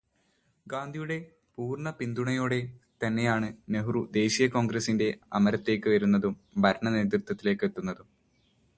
ഗാന്ധിയുടെ പൂര്ണപിന്തുണയോടെ തന്നെയാണു നെഹ്രു ദേശീയ കോണ്ഗ്രസിന്റെ അമരത്തേക്കു വരുന്നതും ഭരണ നേതൃത്വത്തിലേക്ക് എത്തുന്നതും.